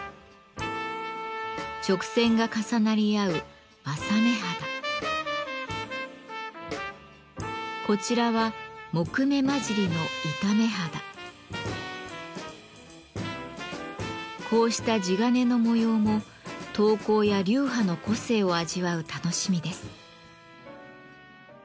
直線が重なり合うこちらはこうした地鉄の模様も刀工や流派の個性を味わう楽しみです。